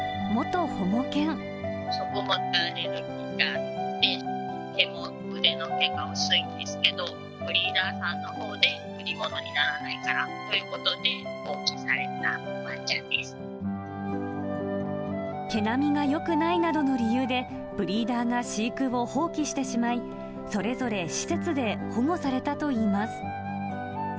食物アレルギーがあって、とても腕の毛が薄いんですけど、ブリーダーさんのほうで、売り物にならないからということで、毛並みがよくないなどの理由で、ブリーダーが飼育を放棄してしまい、それぞれ施設で保護されたといいます。